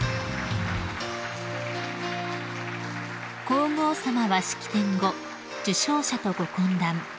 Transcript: ［皇后さまは式典後受章者とご懇談］